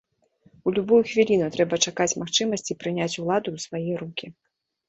У любую хвіліну трэба чакаць магчымасці прыняць уладу ў свае рукі.